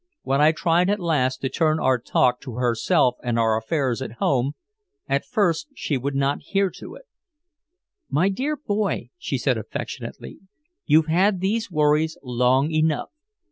When I tried at last to turn our talk to herself and our affairs at home, at first she would not hear to it. "My dear boy," she said affectionately, "you've had these worries long enough.